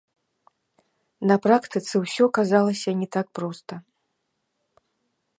На практыцы ўсё аказалася не так проста.